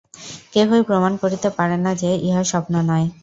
কেহই প্রমাণ করিতে পারে না যে, ইহা স্বপ্ন নয়।